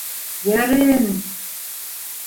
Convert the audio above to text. Йәрен...